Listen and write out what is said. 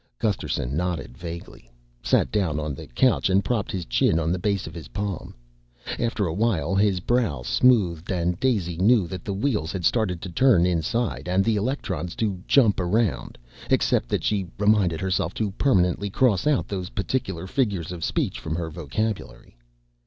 Gusterson nodded vaguely, sat down on the couch and propped his chin on the base of his palm. After a while his brow smoothed and Daisy knew that the wheels had started to turn inside and the electrons to jump around except that she reminded herself to permanently cross out those particular figures of speech from her vocabulary.